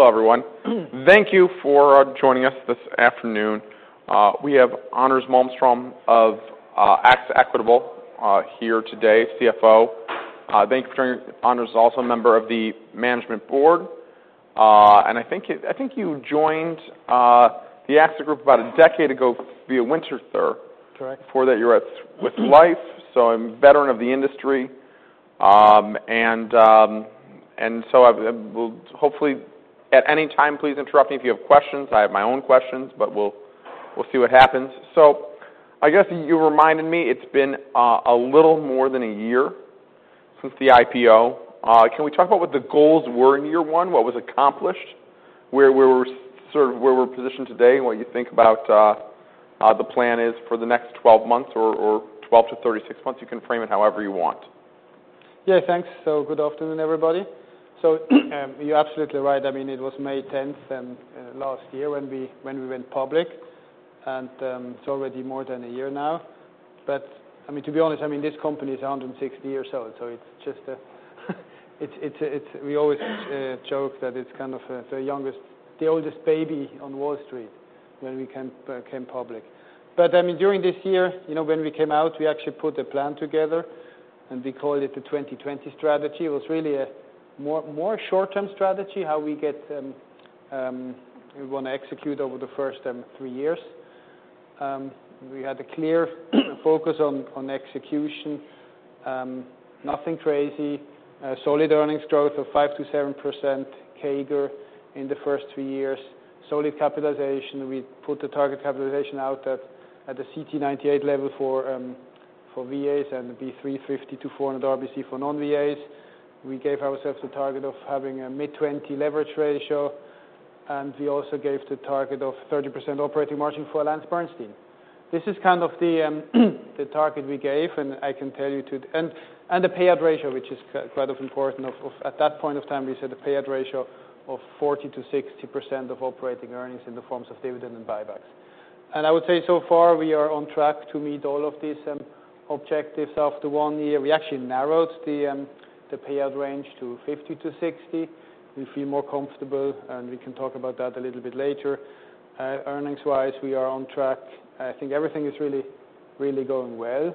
Hello, everyone. Thank you for joining us this afternoon. We have Anders Malmström of AXA Equitable here today, CFO. Thank you for joining. Anders is also a member of the management board. I think you joined the AXA Group about a decade ago via Winterthur. Correct. Before that, you were with Life, so a veteran of the industry. At any time, please interrupt me if you have questions. I have my own questions, but we'll see what happens. I guess you reminded me it's been a little more than a year since the IPO. Can we talk about what the goals were in year one, what was accomplished, where we're positioned today, and what you think about the plan is for the next 12 months or 12-36 months? You can frame it however you want. Yeah, thanks. Good afternoon, everybody. You're absolutely right. It was May 10th last year when we went public, and it's already more than a year now. To be honest, this company is 160 years old, we always joke that it's kind of the oldest baby on Wall Street when we came public. During this year, when we came out, we actually put a plan together, and we called it the 2020 strategy. It was really a more short-term strategy, how we want to execute over the first three years. We had a clear focus on execution. Nothing crazy. Solid earnings growth of 5%-7% CAGR in the first three years. Solid capitalization. We put the target capitalization out at the CTE 98 level for VAs and the 350-400 RBC for non-VAs. We gave ourselves a target of having a mid-20 leverage ratio, we also gave the target of 30% operating margin for AllianceBernstein. This is kind of the target we gave, the payout ratio, which is quite important. At that point of time, we set a payout ratio of 40%-60% of operating earnings in the forms of dividend and buybacks. I would say so far, we are on track to meet all of these objectives after one year. We actually narrowed the payout range to 50%-60%. We feel more comfortable, and we can talk about that a little bit later. Earnings-wise, we are on track. I think everything is really going well.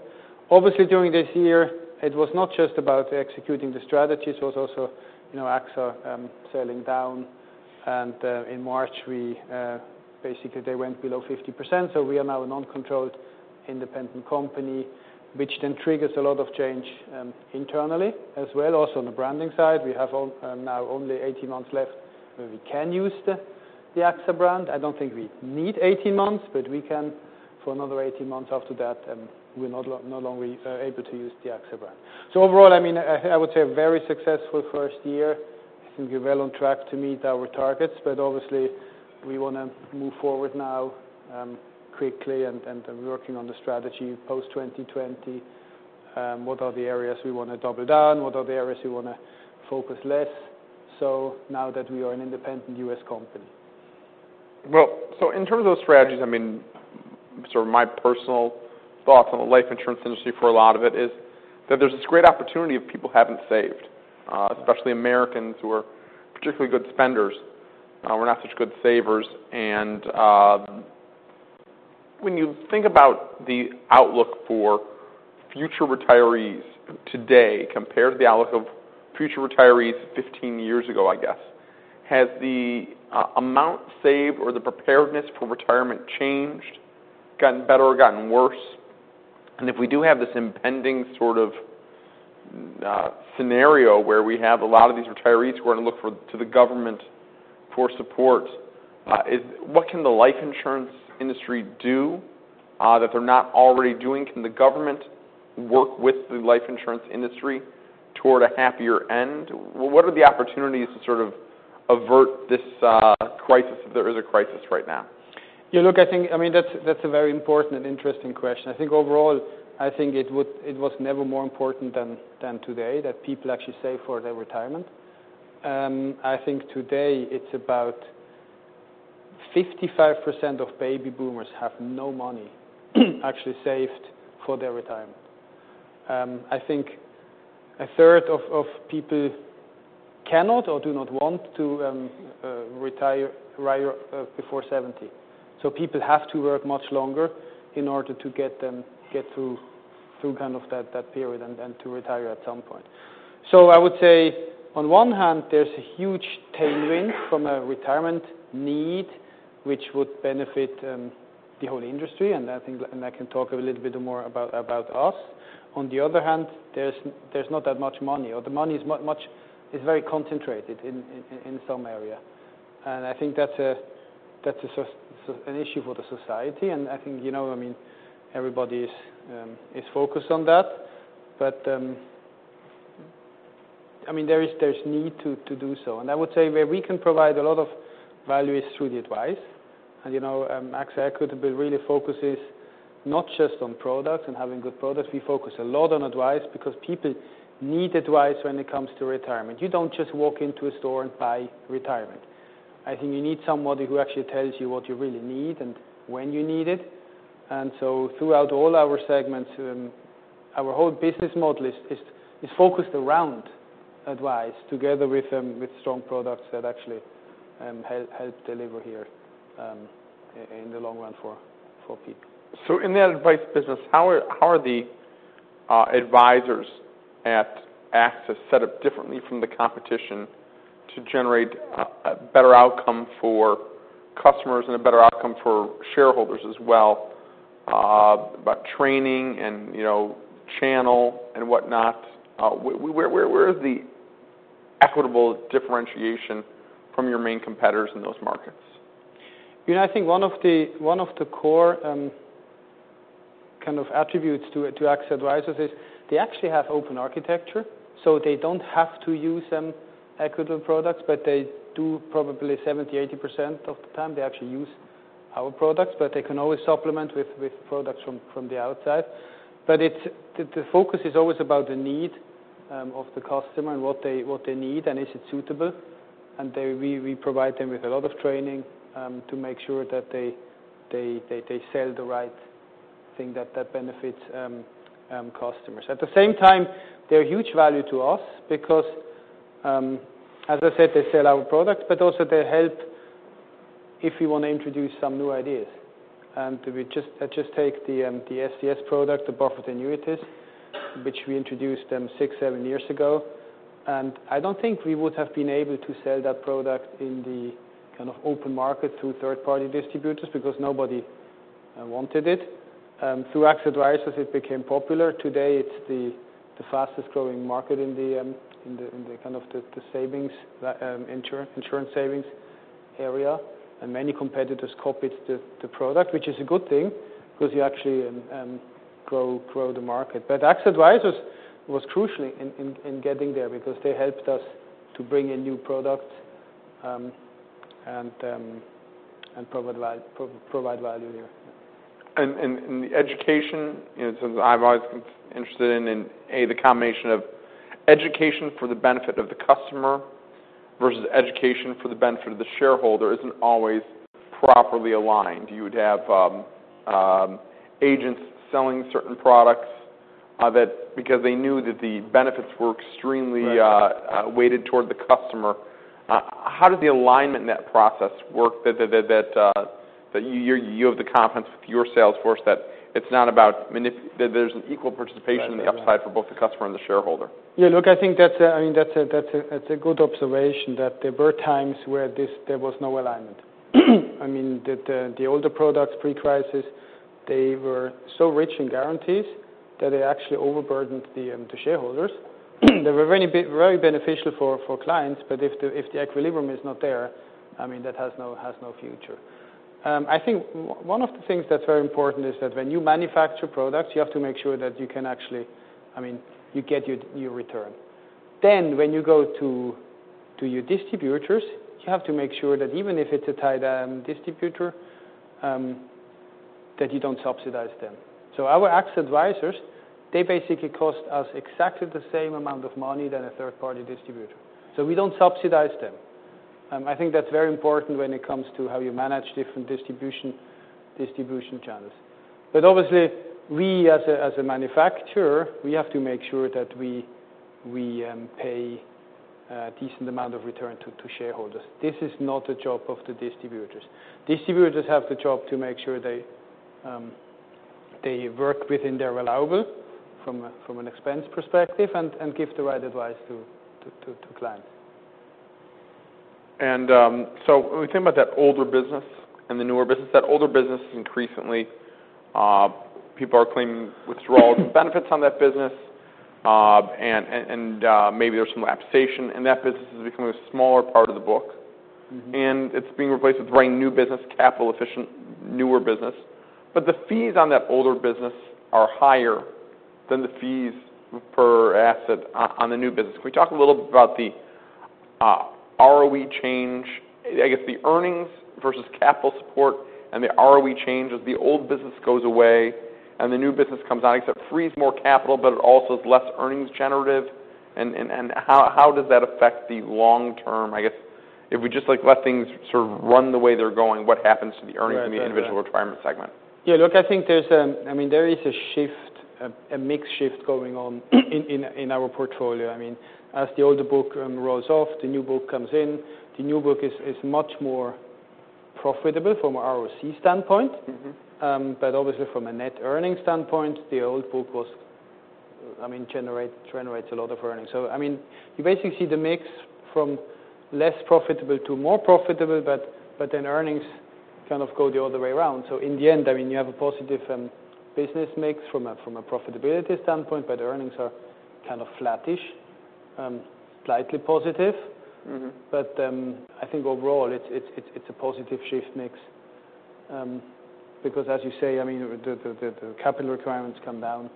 Obviously, during this year, it was not just about executing the strategy. It was also AXA selling down. In March, basically, they went below 50%. We are now a non-controlled, independent company, which triggers a lot of change internally as well. On the branding side, we have now only 18 months left where we can use the AXA brand. I don't think we need 18 months, but we can for another 18 months. After that, we're no longer able to use the AXA brand. Overall, I would say a very successful first year. I think we're well on track to meet our targets, obviously, we want to move forward now quickly, and we're working on the strategy post-2020. What are the areas we want to double down? What are the areas we want to focus on less now that we are an independent U.S. company? In terms of those strategies, my personal thoughts on the life insurance industry for a lot of it is that there's this great opportunity of people who haven't saved, especially Americans, who are particularly good spenders. We're not such good savers, and when you think about the outlook for future retirees today compared to the outlook of future retirees 15 years ago, I guess, has the amount saved or the preparedness for retirement changed, gotten better or gotten worse? If we do have this impending sort of scenario where we have a lot of these retirees who are going to look to the government for support, what can the life insurance industry do that they're not already doing? Can the government work with the life insurance industry toward a happier end? What are the opportunities to sort of avert this crisis if there is a crisis right now? I think that's a very important and interesting question. Overall, I think it was never more important than today that people actually save for their retirement. I think today it's about 55% of baby boomers have no money actually saved for their retirement. I think a third of people cannot or do not want to retire before 70. People have to work much longer in order to get through that period and to retire at some point. I would say on one hand, there's a huge tailwind from a retirement need, which would benefit the whole industry, I think I can talk a little bit more about us. On the other hand, there's not that much money, or the money is very concentrated in some areas. I think that's an issue for the society, and I think everybody is focused on that. There's a need to do so. I would say where we can provide a lot of value is through the advice. AXA Equitable really focuses not just on products and having good products. We focus a lot on advice because people need advice when it comes to retirement. You don't just walk into a store and buy retirement. I think you need somebody who actually tells you what you really need and when you need it. Our whole business model is focused around advice together with strong products that actually help deliver here in the long run for people. In the advice business, how are the advisors at AXA set up differently from the competition to generate a better outcome for customers and a better outcome for shareholders as well? About training and channel and whatnot, where is the Equitable differentiation from your main competitors in those markets? I think one of the core attributes to AXA Advisors is they actually have open architecture, so they don't have to use some Equitable products, but they do probably 70%-80% of the time, they actually use our products. They can always supplement with products from the outside. The focus is always about the need of the customer and what they need and is it suitable. We provide them with a lot of training to make sure that they sell the right thing that benefits customers. At the same time, they're a huge value to us because, as I said, they sell our products, but also they help if we want to introduce some new ideas. Let's just take the SCS product, the buffered annuities, which we introduced six-seven years ago. I don't think we would have been able to sell that product in the open market to third-party distributors because nobody wanted it. Through AXA Advisors, it became popular. Today, it's the fastest-growing market in the insurance savings area. Many competitors copied the product, which is a good thing because you actually grow the market. AXA Advisors was crucial in getting there because they helped us to bring a new product and provide value there. The education, since I've always been interested in, A, the combination of education for the benefit of the customer versus education for the benefit of the shareholder isn't always properly aligned. You would have agents selling certain products because they knew that the benefits were extremely Right weighted toward the customer. How does the alignment in that process work that you have the confidence with your sales force that there's an equal participation in the upside for both the customer and the shareholder? Yeah, look, I think that's a good observation that there were times where there was no alignment. The older products, pre-crisis, they were so rich in guarantees that they actually overburdened the shareholders. They were very beneficial for clients, but if the equilibrium is not there, that has no future. I think one of the things that's very important is that when you manufacture products, you have to make sure that you get your return. When you go to your distributors, you have to make sure that even if it's a tied distributor, that you don't subsidize them. Our AXA Advisors, they basically cost us exactly the same amount of money than a third-party distributor. We don't subsidize them. I think that's very important when it comes to how you manage different distribution channels. Obviously, we as a manufacturer, we have to make sure that we pay a decent amount of return to shareholders. This is not the job of the distributors. Distributors have the job to make sure they work within their allowable from an expense perspective and give the right advice to clients. When we think about that older business and the newer business, that older business increasingly, people are claiming withdrawal benefits on that business. Maybe there's some lapsation and that business is becoming a smaller part of the book. It's being replaced with brand new business, capital efficient, newer business. The fees on that older business are higher than the fees per asset on the new business. Can we talk a little bit about the ROE change, I guess the earnings versus capital support and the ROE change as the old business goes away and the new business comes on, except it frees more capital, but it also is less earnings generative. How does that affect the long term, I guess, if we just let things sort of run the way they're going, what happens to the earnings in the individual retirement segment? Yeah, look, I think there is a mix shift going on in our portfolio. As the older book rolls off, the new book comes in. The new book is much more profitable from a ROC standpoint. Obviously from a net earnings standpoint, the old book generates a lot of earnings. You basically see the mix from less profitable to more profitable, but then earnings kind of go the other way around. In the end, you have a positive business mix from a profitability standpoint, but the earnings are kind of flattish, slightly positive. I think overall it's a positive shift mix. As you say, the capital requirements come down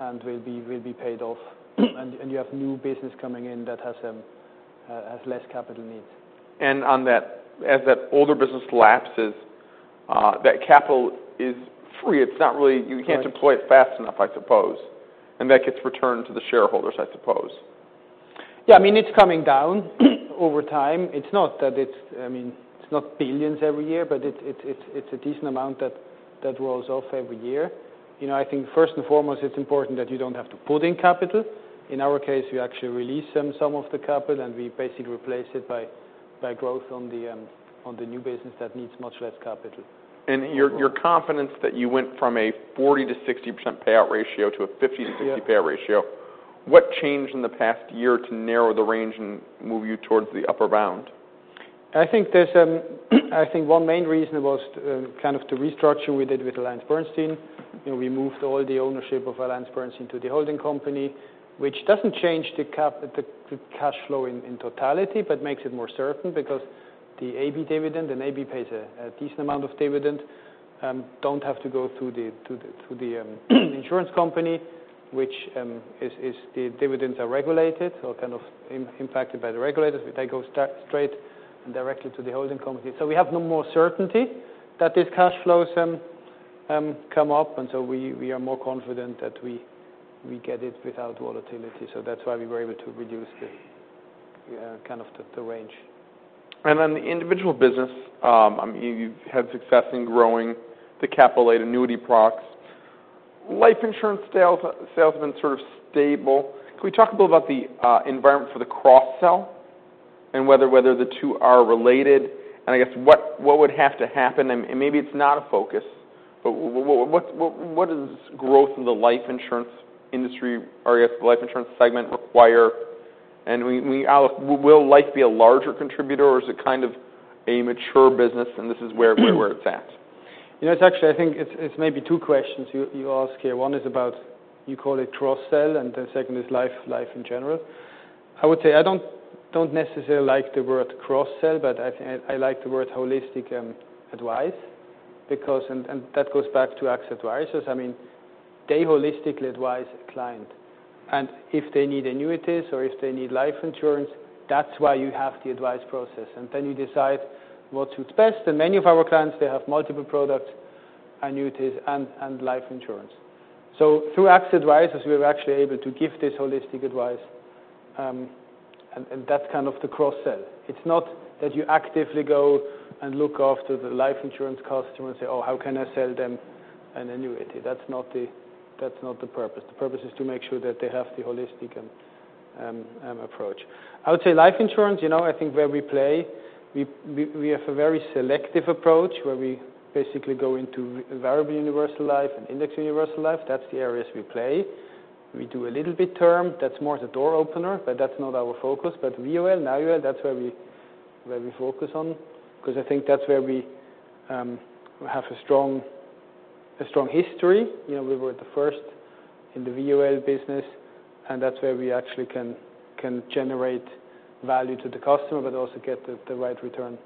and will be paid off. You have new business coming in that has less capital needs. As that older business lapses, that capital is free. You can't deploy it fast enough, I suppose. That gets returned to the shareholders, I suppose. It's coming down over time. It's not billions every year, but it's a decent amount that rolls off every year. I think first and foremost, it's important that you don't have to put in capital. In our case, we actually release some of the capital, and we basically replace it by growth on the new business that needs much less capital. You're confident that you went from a 40%-60% payout ratio to a 50%-60% payout ratio. Yeah. What changed in the past year to narrow the range and move you towards the upper bound? I think one main reason was to restructure. We did with AllianceBernstein. We moved all the ownership of AllianceBernstein to the holding company, which doesn't change the cash flow in totality, but makes it more certain because the AB dividend, and AB pays a decent amount of dividend, don't have to go through the insurance company, which is the dividends are regulated or impacted by the regulators. They go straight and directly to the holding company. We have no more certainty that these cash flows come up, we are more confident that we get it without volatility. That's why we were able to reduce the range. On the individual business, you've had success in growing the capital-lite annuity products. Life insurance sales have been sort of stable. Can we talk a little about the environment for the cross-sell and whether the two are related? I guess what would have to happen, and maybe it's not a focus, but what does growth in the life insurance industry, or I guess the life insurance segment require? Will life be a larger contributor, or is it kind of a mature business and this is where it's at? It's actually, I think it's maybe two questions you ask here. One is about, you call it cross-sell, and the second is life in general. I would say I don't necessarily like the word cross-sell, but I like the word holistic advice because that goes back to Equitable Advisors. They holistically advise a client, and if they need annuities or if they need life insurance, that's why you have the advice process. Then you decide what suits best. Many of our clients, they have multiple products, annuities, and life insurance. Through Equitable Advisors, we are actually able to give this holistic advice, and that's kind of the cross-sell. It's not that you actively go and look after the life insurance customer and say, "Oh, how can I sell them an annuity?" That's not the purpose. The purpose is to make sure that they have the holistic approach. I would say life insurance, I think where we play, we have a very selective approach where we basically go into variable universal life and index universal life. That's the areas we play. We do a little bit term. That's more the door opener, but that's not our focus. VUL, IUL, that's where we focus on because I think that's where we have a strong history. We were the first in the VUL business, and that's where we actually can generate value to the customer but also get the right return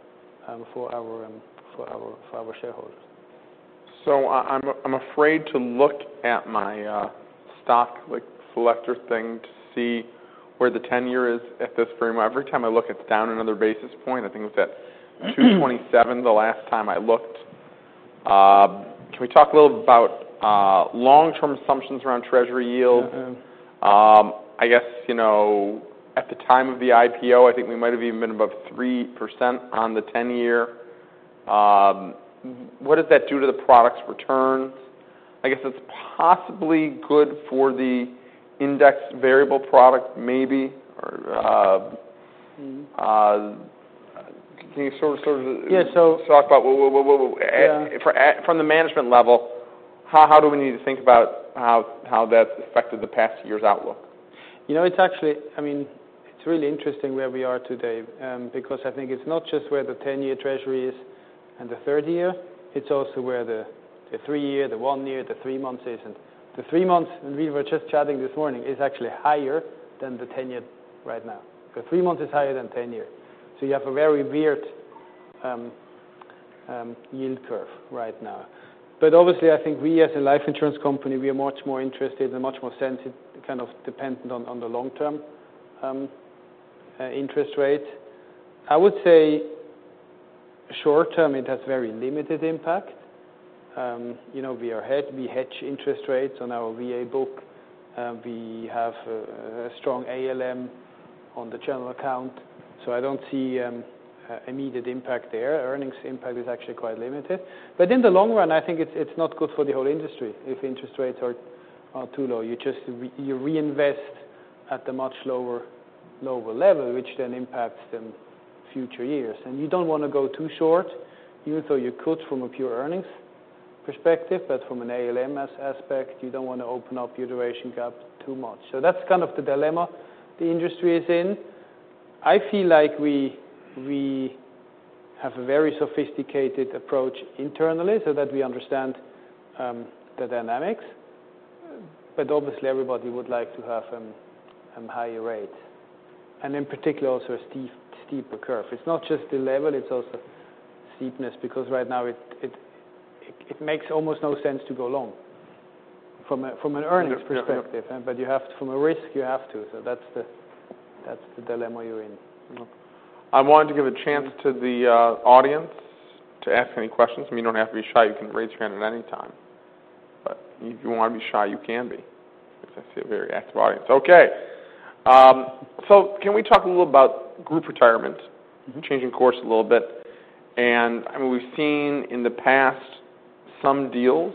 for our shareholders. I'm afraid to look at my stock selector thing to see where the 10-year is at this very moment. Every time I look, it's down another basis point. I think it was at 227 the last time I looked. Can we talk a little about long-term assumptions around Treasury yield? I guess, at the time of the IPO, I think we might have even been above 3% on the 10-year. What does that do to the product's returns? I guess it's possibly good for the index variable product, maybe. Can you sort of- Yeah. Talk about, from the management level, how do we need to think about how that's affected the past year's outlook? It's actually really interesting where we are today because I think it's not just where the 10-year Treasury is and the 30-year. It's also where the three-year, the one year, the three months is. The three months, and we were just chatting this morning, is actually higher than the 10-year right now. The three months is higher than 10-year. You have a very weird yield curve right now. Obviously, I think we as a life insurance company, we are much more interested and much more sensitive, kind of dependent on the long-term interest rate. I would say short-term, it has very limited impact. We hedge interest rates on our VA book. We have a strong ALM on the general account. I don't see immediate impact there. Earnings impact is actually quite limited. In the long run, I think it's not good for the whole industry if interest rates are too low. You reinvest at a much lower level, which then impacts the future years. You don't want to go too short, even though you could from a pure earnings perspective, but from an ALM aspect, you don't want to open up your duration gap too much. That's kind of the dilemma the industry is in. I feel like we have a very sophisticated approach internally so that we understand the dynamics. Obviously, everybody would like to have higher rates, and in particular, also a steeper curve. It's not just the level, it's also steepness because right now it makes almost no sense to go long from an earnings perspective. From a risk, you have to. That's the dilemma you're in. I wanted to give a chance to the audience to ask any questions. You don't have to be shy. You can raise your hand at any time. If you want to be shy, you can be. Because I see a very active audience. Okay. Can we talk a little about group retirement? Changing course a little bit. We've seen in the past some deals.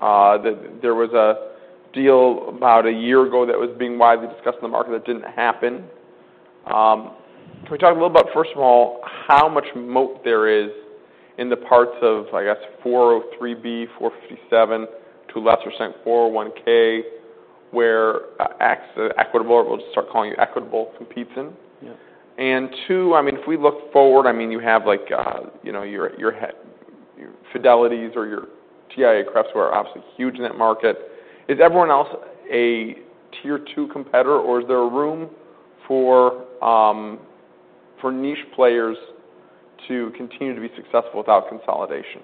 There was a deal about a year ago that was being widely discussed in the market that didn't happen. Can we talk a little about, first of all, how much moat there is in the parts of, I guess, 403, 457 to lesser extent, 401, where Equitable, we'll just start calling you Equitable, competes in? Yeah. Two, if we look forward, you have your Fidelity or your TIAA-CREF who are obviously huge in that market. Is everyone else a tier 2 competitor, or is there room for niche players to continue to be successful without consolidation?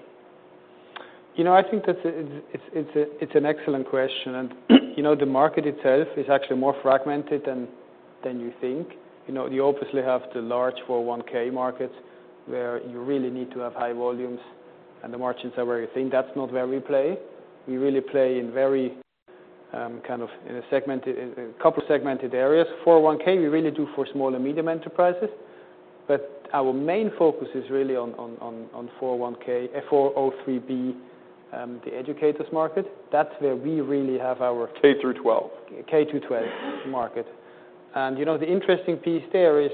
I think that it's an excellent question. The market itself is actually more fragmented than you think. You obviously have the large 401 markets where you really need to have high volumes, and the margins are very thin. That's not where we play. We really play in a couple segmented areas. 401 we really do for small and medium enterprises, but our main focus is really on 403, the educators market. K through 12. K through 12 market. The interesting piece there is,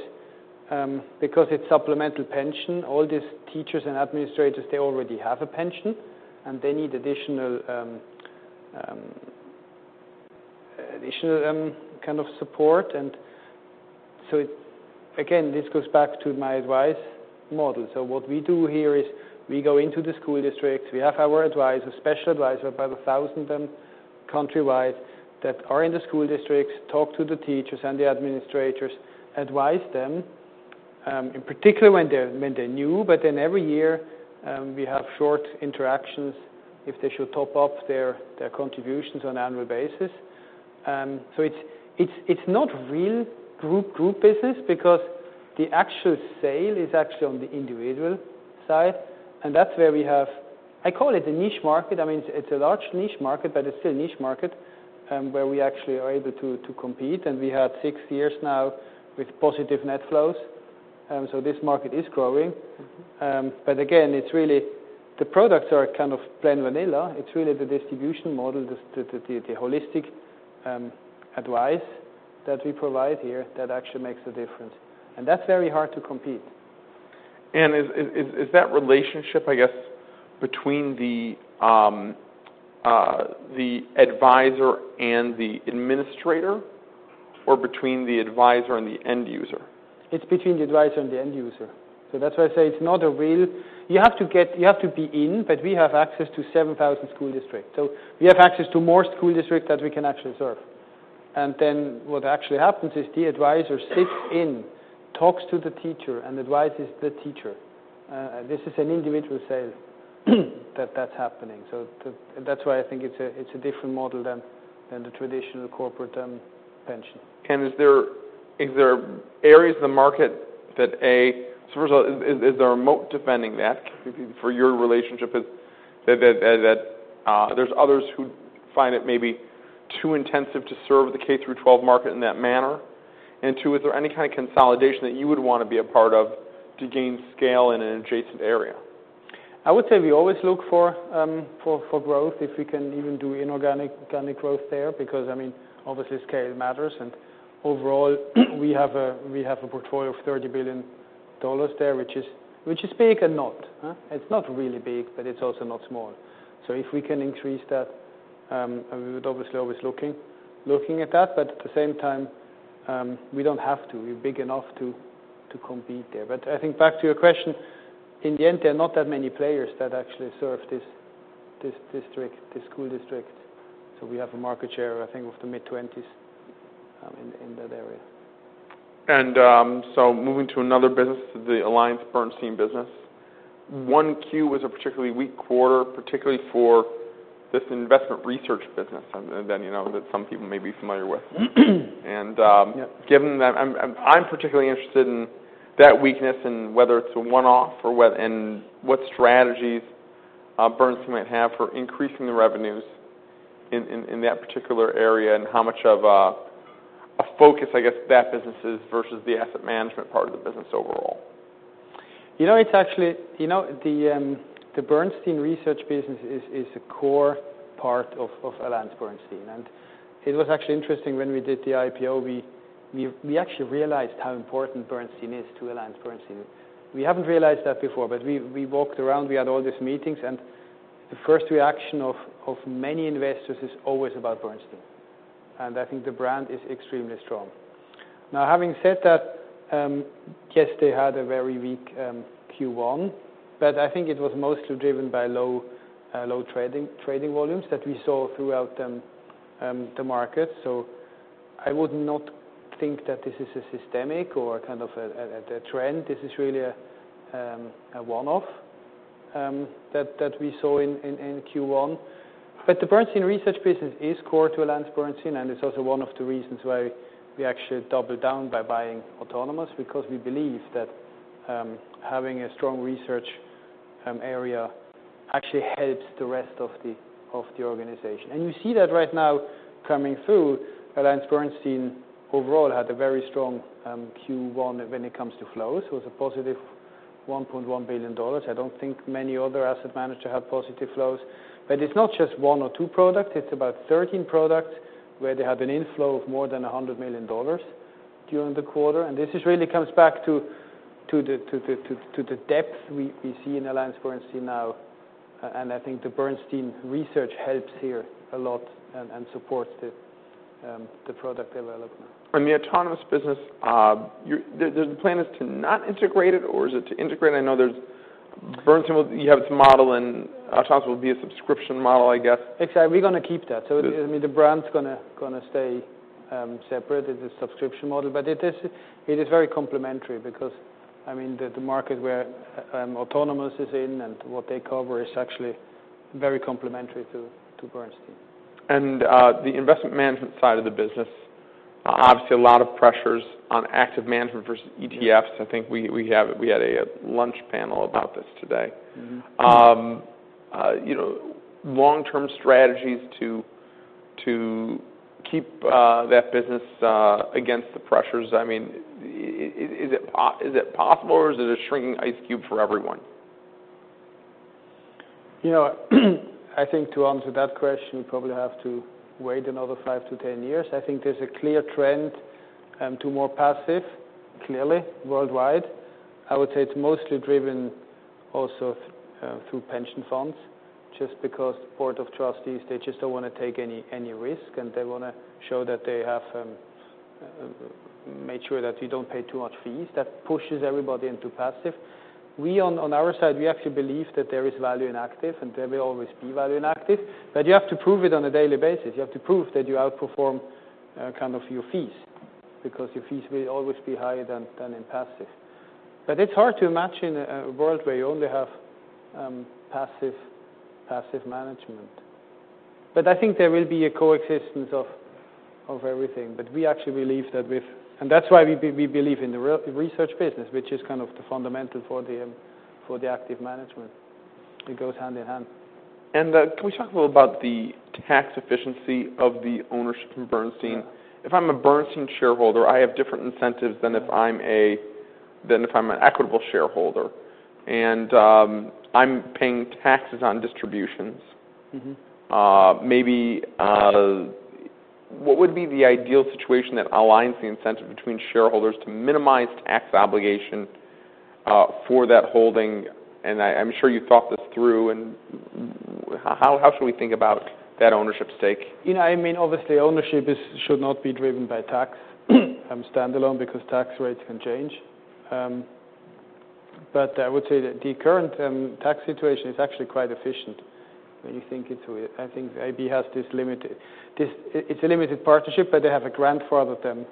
because it's supplemental pension, all these teachers and administrators, they already have a pension, they need additional support. Again, this goes back to my advice model. What we do here is we go into the school districts. We have our advisor, special advisor, about 1,000 country-wide that are in the school districts, talk to the teachers and the administrators, advise them, in particular when they're new. Every year, we have short interactions if they should top up their contributions on an annual basis. It's not real group business because the actual sale is actually on the individual side. That's where we have I call it a niche market. It's a large niche market, but it's still a niche market, where we actually are able to compete. We have six years now with positive net flows. This market is growing. Again, the products are kind of plain vanilla. It's really the distribution model, the holistic advice that we provide here that actually makes a difference. That's very hard to compete. Is that relationship, I guess, between the advisor and the administrator, or between the advisor and the end user? It's between the advisor and the end user. That's why I say it's not a real You have to be in, but we have access to 7,000 school districts. We have access to more school districts that we can actually serve. What actually happens is the advisor sits in, talks to the teacher, and advises the teacher. This is an individual sale that's happening. That's why I think it's a different model than the traditional corporate pension. Is there areas of the market that, A, first of all, is there a moat defending that for your relationship, that there's others who find it maybe too intensive to serve the K through 12 market in that manner? Two, is there any kind of consolidation that you would want to be a part of to gain scale in an adjacent area? I would say we always look for growth if we can even do inorganic growth there, because obviously scale matters. Overall, we have a portfolio of $30 billion there, which is big and not. It's not really big, but it's also not small. If we can increase that, we would obviously always looking at that. At the same time, we don't have to. We're big enough to compete there. I think back to your question. In the end, there are not that many players that actually serve these school districts. We have a market share, I think, of the mid-20s in that area. Moving to another business, the AllianceBernstein business. 1Q was a particularly weak quarter, particularly for this investment research business that some people may be familiar with. Yeah. I'm particularly interested in that weakness and whether it's a one-off and what strategies Bernstein might have for increasing the revenues in that particular area, and how much of a focus, I guess, that business is versus the asset management part of the business overall. The Bernstein research business is a core part of AllianceBernstein, it was actually interesting when we did the IPO. We actually realized how important Bernstein is to AllianceBernstein. We haven't realized that before, we walked around, we had all these meetings, and the first reaction of many investors is always about Bernstein. I think the brand is extremely strong. Now, having said that, yes, they had a very weak Q1, I think it was mostly driven by low trading volumes that we saw throughout the market. I would not think that this is a systemic or a trend. This is really a one-off that we saw in Q1. The Bernstein research business is core to AllianceBernstein, it's also one of the reasons why we actually doubled down by buying Autonomous because we believe that Having a strong research area actually helps the rest of the organization. You see that right now coming through. AllianceBernstein overall had a very strong Q1 when it comes to flows. It was a positive $1.1 billion. I don't think many other asset managers have positive flows. It's not just one or two products. It's about 13 products where they have an inflow of more than $100 million during the quarter. This really comes back to the depth we see in AllianceBernstein now, I think the Bernstein research helps here a lot and supports the product development. On the Autonomous business, the plan is to not integrate it, or is it to integrate it? I know Bernstein will have its model, and Autonomous will be a subscription model, I guess. Exactly. We're going to keep that. The brand's going to stay separate as a subscription model. It is very complementary because the market where Autonomous is in and what they cover is actually very complementary to Bernstein. The investment management side of the business, obviously a lot of pressures on active management versus ETFs. I think we had a lunch panel about this today. Long-term strategies to keep that business against the pressures. Is it possible, or is it a shrinking ice cube for everyone? I think to answer that question, we probably have to wait another 5-10 years. I think there's a clear trend to more passive, clearly, worldwide. I would say it's mostly driven also through pension funds, just because board of trustees, they just don't want to take any risk, and they want to show that they have made sure that you don't pay too much fees. That pushes everybody into passive. We, on our side, we actually believe that there is value in active, and there will always be value in active. You have to prove it on a daily basis. You have to prove that you outperform your fees, because your fees will always be higher than in passive. It's hard to imagine a world where you only have passive management. I think there will be a coexistence of everything. That's why we believe in the research business, which is the fundamental for the active management. It goes hand in hand. Can we talk a little about the tax efficiency of the ownership in Bernstein? Yeah. If I'm a Bernstein shareholder, I have different incentives than if I'm an Equitable shareholder. I'm paying taxes on distributions. What would be the ideal situation that aligns the incentive between shareholders to minimize tax obligation for that holding? I'm sure you've thought this through, and how should we think about that ownership stake? Obviously, ownership should not be driven by tax standalone because tax rates can change. I would say that the current tax situation is actually quite efficient when you think it through. I think AB has a limited partnership, but they have a grandfathered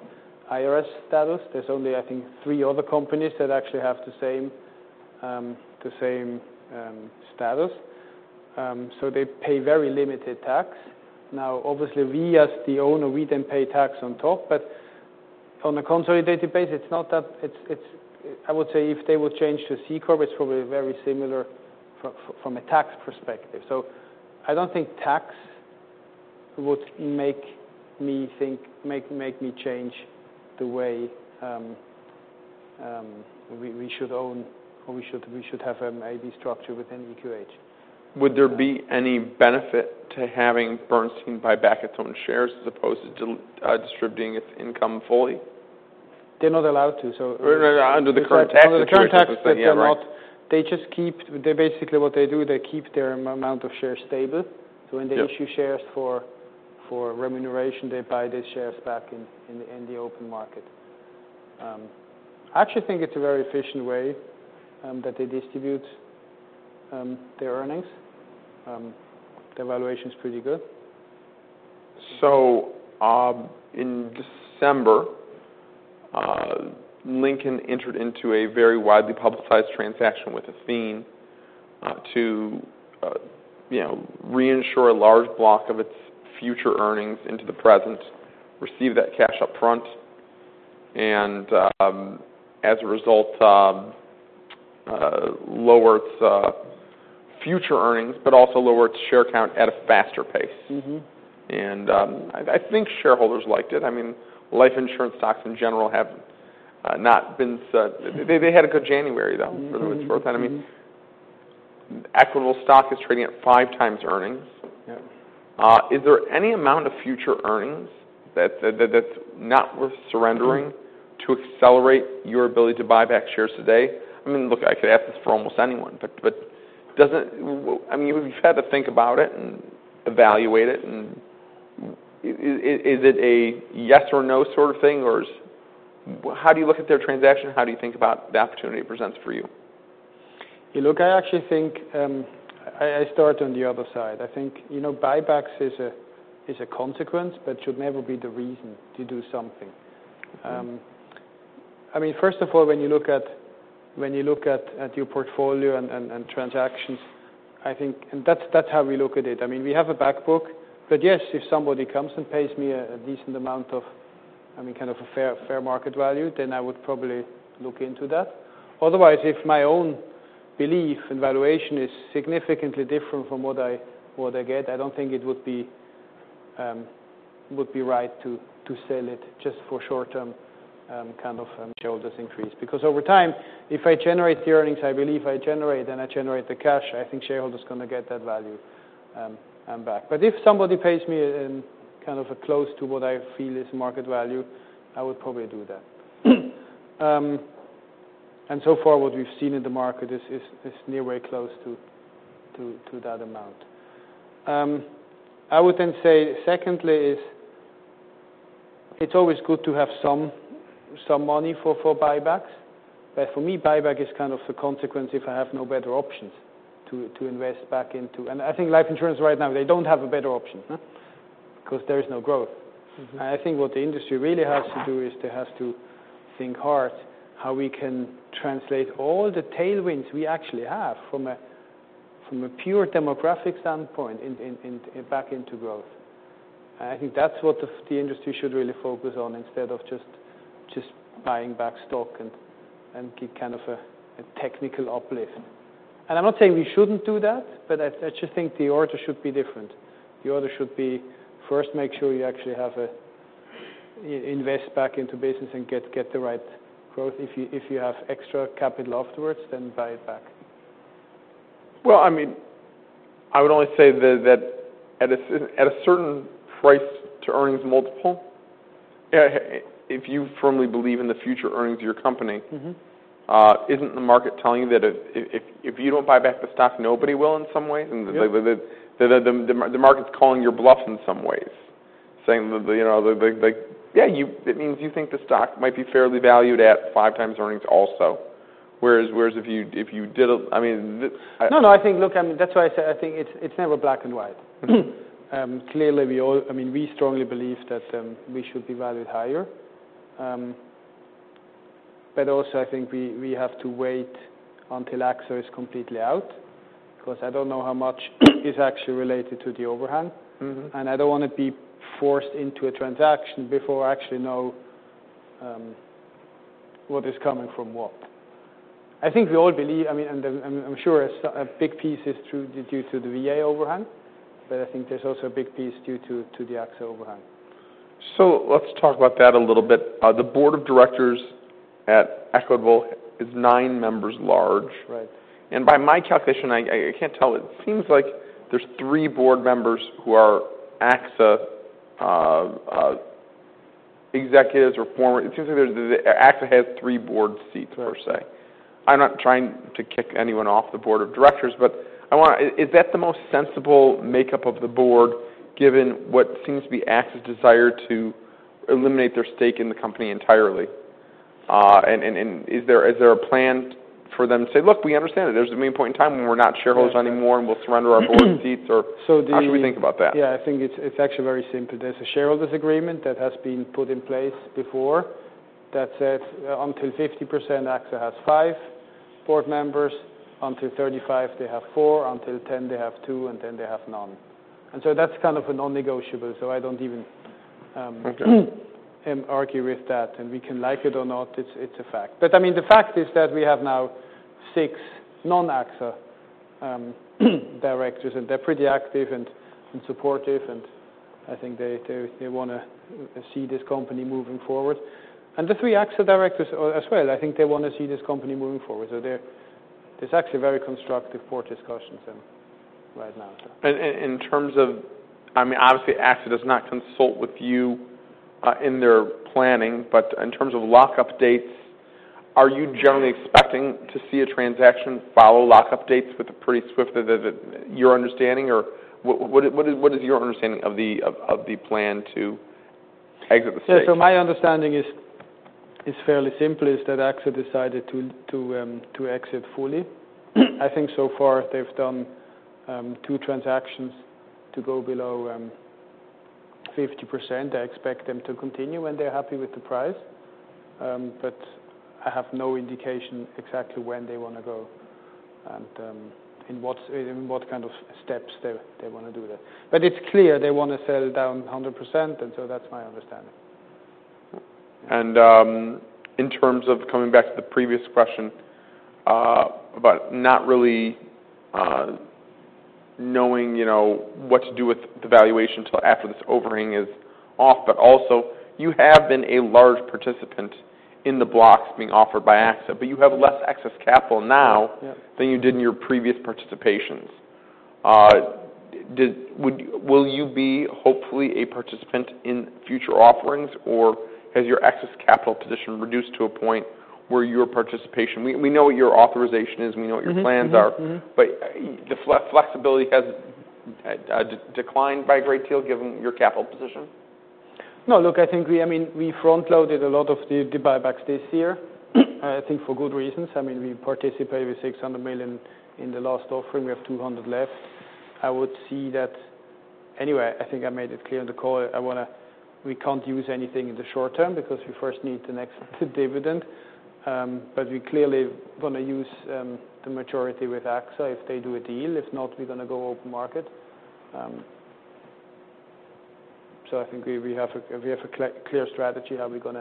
IRS status. There's only, I think, three other companies that actually have the same status. They pay very limited tax. Now, obviously, we as the owner, we then pay tax on top. On a consolidated base, I would say if they would change to C corp, it's probably very similar from a tax perspective. I don't think tax would make me change the way we should own or we should have an AB structure within EQH. Would there be any benefit to having Bernstein buy back its own shares as opposed to distributing its income fully? They're not allowed to. Under the current tax situation, yeah, right. Under the current tax, they're not. What they do, they keep their amount of shares stable. Yeah. When they issue shares for remuneration, they buy the shares back in the open market. I actually think it's a very efficient way that they distribute their earnings. The valuation's pretty good. In December, Lincoln entered into a very widely publicized transaction with Athene to reinsure a large block of its future earnings into the present, receive that cash up front, and as a result lower its future earnings but also lower its share count at a faster pace. I think shareholders liked it. Life insurance stocks in general have not been They had a good January, though, for the most part. Equitable stock is trading at five times earnings. Yeah. Is there any amount of future earnings that's not worth surrendering to accelerate your ability to buy back shares today? Look, I could ask this for almost anyone. You've had to think about it and evaluate it. Is it a yes or no sort of thing? How do you look at their transaction? How do you think about the opportunity it presents for you? Look, I actually think I start on the other side. I think buybacks is a consequence but should never be the reason to do something. First of all, when you look at your portfolio and transactions I think that's how we look at it. We have a back book, but yes, if somebody comes and pays me a decent amount of a fair market value, then I would probably look into that. Otherwise, if my own belief and valuation is significantly different from what I get, I don't think it would be right to sell it just for short-term shareholders increase. Over time, if I generate the earnings I believe I generate, and I generate the cash, I think shareholders are going to get that value back. If somebody pays me a close to what I feel is market value, I would probably do that. So far what we've seen in the market is near way close to that amount. I would then say, secondly, it's always good to have some money for buybacks. For me, buyback is a consequence if I have no better options to invest back into. I think life insurance right now, they don't have a better option, because there is no growth. I think what the industry really has to do is they have to think hard how we can translate all the tailwinds we actually have from a pure demographic standpoint back into growth. I think that's what the industry should really focus on instead of just buying back stock and give a technical uplift. I'm not saying we shouldn't do that, I just think the order should be different. The order should be, first, make sure you actually invest back into the business and get the right growth. If you have extra capital afterwards, buy it back. Well, I would only say that at a certain price to earnings multiple, if you firmly believe in the future earnings of your company. Isn't the market telling you that if you don't buy back the stock, nobody will in some ways? Yeah. The market's calling your bluff in some ways, saying that they Yeah, it means you think the stock might be fairly valued at five times earnings also. Whereas if you did, I mean. No, no. I think, look, that's why I said I think it's never black and white. Clearly, we strongly believe that we should be valued higher. Also, I think we have to wait until AXA is completely out, because I don't know how much is actually related to the overhang. I don't want to be forced into a transaction before I actually know what is coming from what. I think we all believe, and I'm sure a big piece is due to the VA overhang, but I think there's also a big piece due to the AXA overhang. Let's talk about that a little bit. The board of directors at Equitable is nine members large. Right. By my calculation, I can't tell, it seems like there's three board members who are AXA executives or It seems like AXA has three board seats, per se. I'm not trying to kick anyone off the board of directors, is that the most sensible makeup of the board given what seems to be AXA's desire to eliminate their stake in the company entirely? Is there a plan for them to say, "Look, we understand that there's a main point in time when we're not shareholders anymore, and we'll surrender our board seats." How should we think about that? Yeah, I think it's actually very simple. There's a shareholders agreement that has been put in place before that said until 50%, AXA has five board members, until 35% they have four, until 10% they have two, and then they have none. That's a non-negotiable, so I don't even argue with that. We can like it or not, it's a fact. The fact is that we have now six non-AXA directors, and they're pretty active and supportive, and I think they want to see this company moving forward. The three AXA directors as well, I think they want to see this company moving forward. It's actually very constructive board discussions right now. In terms of Obviously, AXA does not consult with you in their planning, but in terms of lock-up dates, are you generally expecting to see a transaction follow lock-up dates? Is it your understanding, or what is your understanding of the plan to exit the stake? My understanding is fairly simple, is that AXA decided to exit fully. I think so far they've done two transactions to go below 50%. I expect them to continue when they're happy with the price. I have no indication exactly when they want to go, and in what kind of steps they want to do that. It's clear they want to sell down 100%, that's my understanding. In terms of coming back to the previous question, about not really knowing what to do with the valuation till after this overhang is off, also you have been a large participant in the blocks being offered by AXA, you have less excess capital now Yeah than you did in your previous participations. Will you be, hopefully, a participant in future offerings, or has your excess capital position reduced to a point where your participation? We know what your authorization is, and we know what your plans are. The flexibility has declined by a great deal given your capital position? No, look, I think we front-loaded a lot of the buybacks this year, I think for good reasons. We participated with $600 million in the last offering. We have $200 million left. I would see that. I think I made it clear on the call. We can't use anything in the short term because we first need the next dividend, but we clearly want to use the majority with AXA if they do a deal. If not, we're going to go open market. I think we have a clear strategy how we're going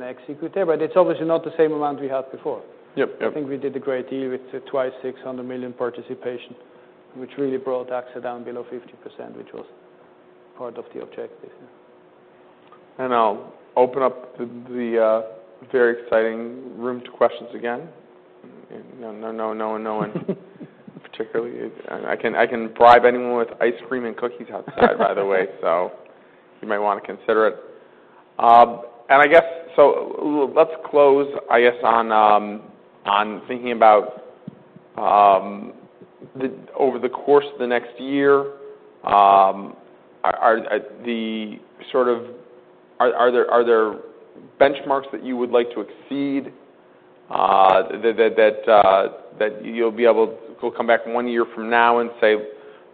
to execute there, but it's obviously not the same amount we had before. Yep. I think we did a great deal with twice $600 million participation, which really brought AXA down below 50%, which was part of the objective. I'll open up the very exciting room to questions again. No one particularly. I can bribe anyone with ice cream and cookies outside, by the way. You might want to consider it. Let's close, I guess, on thinking about over the course of the next year, are there benchmarks that you would like to exceed, that you'll be able to come back one year from now and say,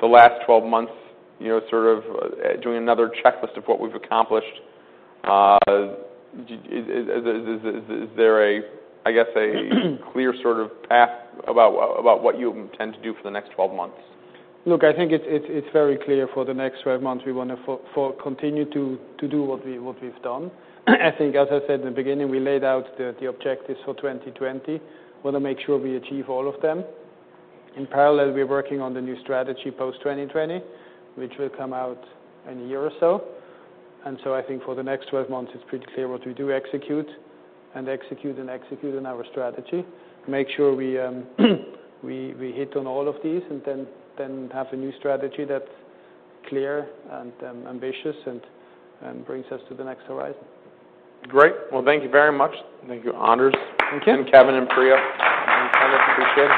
"The last 12 months, doing another checklist of what we've accomplished." Is there a clear path about what you intend to do for the next 12 months? Look, I think it's very clear for the next 12 months, we want to continue to do what we've done. I think as I said in the beginning, we laid out the objectives for 2020. Want to make sure we achieve all of them. In parallel, we're working on the new strategy post-2020, which will come out in a year or so. I think for the next 12 months, it's pretty clear what we do execute, and execute and execute on our strategy. Make sure we hit on all of these and then have a new strategy that's clear and ambitious and brings us to the next horizon. Great. Well, thank you very much. Thank you, Anders. Again, Kevin and Priya. I appreciate it